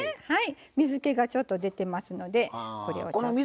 水けがちょっと出てますのでこれをちょっと。